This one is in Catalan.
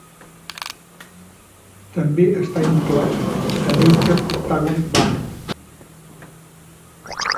També està inclòs a Baker Octagon Barn.